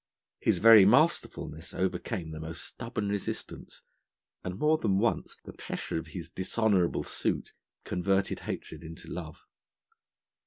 His very masterfulness overcame the most stubborn resistance; and more than once the pressure of his dishonourable suit converted hatred into love.